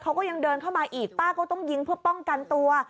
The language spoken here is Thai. เขาก็ยังเดินเข้ามาอีกป้าก็ต้องยิงเพื่อป้องกันตัว